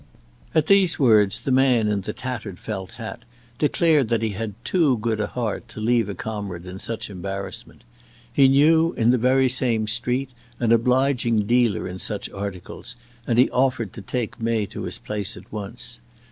At these words the man in the tattered felt hat declared that he had too good a heart to leave a comrade in such embarrassment. He knew, in the very same street, an obliging dealer in such articles, and he offered to take May to his place at once.